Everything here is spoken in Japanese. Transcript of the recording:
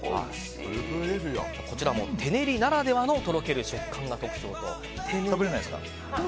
こちらも手練りならではのとろける食感が食べれないんですか？